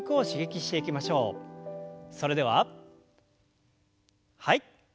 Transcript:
それでははい。